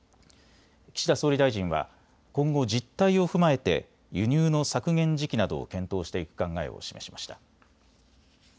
岸田総理大臣は今後、実態を踏まえて輸入の削減時期などを検討していく考えを示しました。